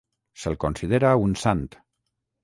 Se'l considera un sant.